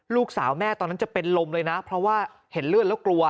ลูกสาวแม่ตอนนั้นจะเป็นลมเลยนะเพราะว่าเห็นเลือดแล้วกลัว